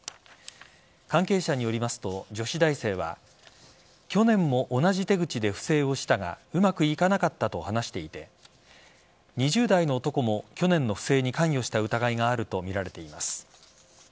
関係者によりますと、女子大生は去年も同じ手口で不正をしたがうまくいかなかったと話していて２０代の男も去年の不正に関与した疑いがあるとみられています。